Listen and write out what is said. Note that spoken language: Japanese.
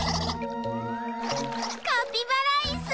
カピバライス！